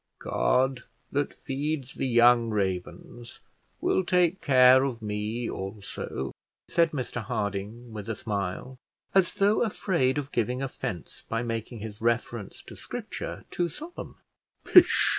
"God, that feeds the young ravens, will take care of me also," said Mr Harding, with a smile, as though afraid of giving offence by making his reference to scripture too solemn. "Pish!"